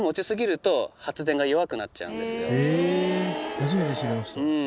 初めて知りました。